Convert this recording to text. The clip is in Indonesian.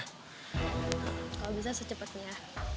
kalau bisa secepatnya